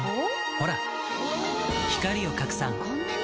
ほら光を拡散こんなに！